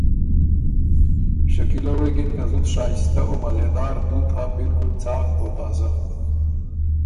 شکیلۀ غوېکِن که ”زُت شائسته او مزېدار تُوت هۀ بالکل څاک او تازۀ“